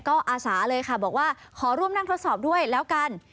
ก็อาสาเลยค่ะบอกว่าขอร่วมนั่งทดสอบด้วยแล้วกัน